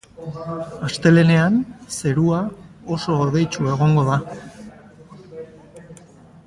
Astelehenean, zerua oso hodeitsu egongo da.